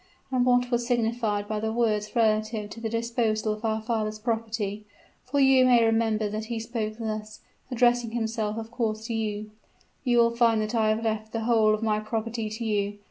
And what was signified by the words relative to the disposal of our father's property? For you may remember that he spoke thus, addressing himself of course to you: 'You will find that I have left the whole of my property to you.